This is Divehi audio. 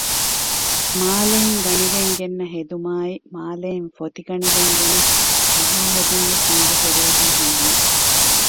މާލެއިން ގަނެގެން ގެންނަ ހެދުމާއި މާލެއިން ފޮތި ގަނެގެން ގެނެސް ފަހާ ހެދުންވެސް މީގެ ތެރޭގައި ހިމެނެ